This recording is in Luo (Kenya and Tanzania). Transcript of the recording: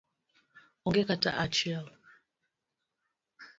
Onge kata achiel.